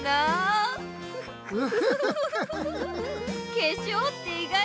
けしょうって意外と！